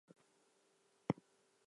He served during the first two sessions.